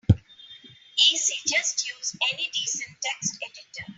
Easy, just use any decent text editor.